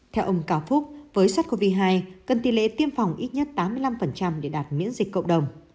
theo ông cào phúc với sars cov hai cần tỷ lệ tiêm phòng ít nhất tám mươi năm để đạt miễn dịch cộng đồng